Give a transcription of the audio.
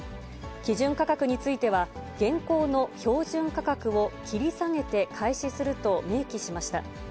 基準価格については、現行の標準価格を切り下げて開始すると明記しました。